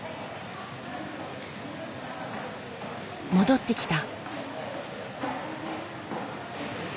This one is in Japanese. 戻ってきた。